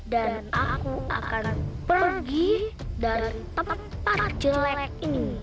dan aku akan pergi dari tempat jelek ini